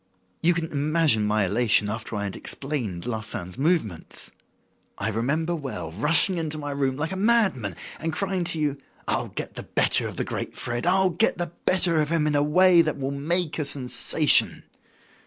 You can imagine my elation after I had explained Larsan's movements. I remember well rushing into my room like a mad man and crying to you: 'I'll get the better of the great Fred. I'll get the better of him in a way that will make a sensation!